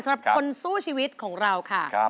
สำหรับคนสู้ชีวิตของเราค่ะ